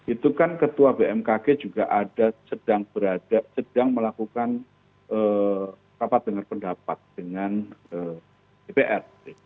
itu kan ketua bmkg juga ada sedang berada sedang melakukan kapal pendapat dengan dpr